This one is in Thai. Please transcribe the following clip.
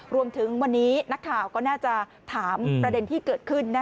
รวมถึงวันนี้นักข่าวก็น่าจะถามประเด็นที่เกิดขึ้น